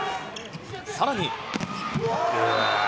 さらに。